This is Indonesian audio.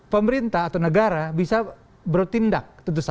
pemerintah atau negara bisa bertindak tentu saja